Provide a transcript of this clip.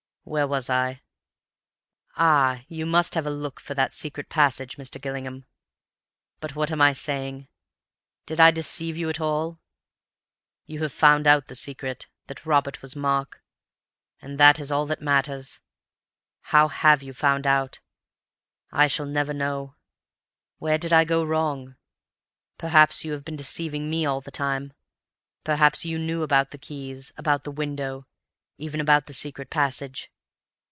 Where was I? Ah, you must have a look for that secret passage, Mr. Gillingham. "But what am I saying? Did I deceive you at all? You have found out the secret—that Robert was Mark—and that is all that matters. How have you found out? I shall never know now. Where did I go wrong? Perhaps you have been deceiving me all the time. Perhaps you knew about the keys, about the window, even about the secret passage.